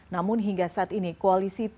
namun hingga saat ini koalisi perubahan